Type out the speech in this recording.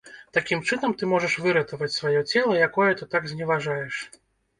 Такім чынам ты можаш выратаваць сваё цела, якое ты так зневажаеш.